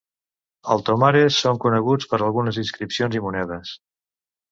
El Tomares són coneguts per algunes inscripcions i monedes.